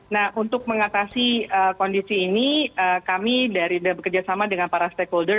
nah untuk mengatasi kondisi ini kami bekerjasama dengan para stakeholder